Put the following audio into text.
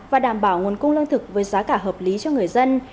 và đảm bảo nguồn cung lương thực với giá cả hợp lý cho người dân